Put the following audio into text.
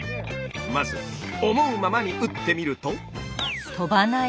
まず思うままに打ってみると。